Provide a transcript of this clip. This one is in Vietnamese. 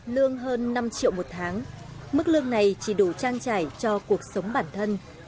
lương hơn năm triệu một tháng mức lương này chỉ đủ trang trải cho cuộc sống bản thân